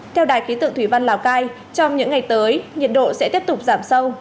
theo đài ký tượng thủy văn lào cai trong những ngày tới nhiệt độ sẽ tiếp tục giảm sâu